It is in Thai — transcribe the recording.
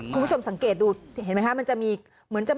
คุณผู้ชมสังเกตดูเห็นไหมครับ